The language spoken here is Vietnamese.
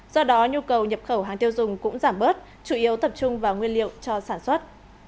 do đó nhu cầu nhập khẩu hàng tiêu dùng cũng giảm bớt chủ yếu tập trung vào nguyên liệu cho sản xuất